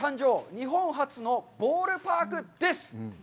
日本初のボールパーク！」です。